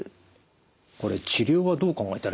これ治療はどう考えたらいいんですか？